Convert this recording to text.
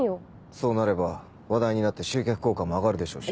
そうなれば話題になって集客効果も上がるでしょうし。